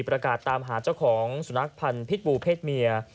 ประกาศตามหาเจ้าของสุนัขพันธ์พิษบูเพศเมีย